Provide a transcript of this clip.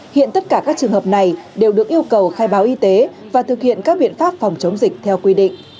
hiện tất cả các trường hợp này đều được yêu cầu khai báo y tế và thực hiện các biện pháp phòng chống dịch theo quy định